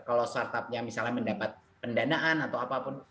kalau startupnya misalnya mendapat pendanaan atau apapun